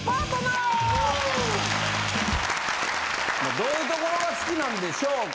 どういうところが好きなんでしょうか！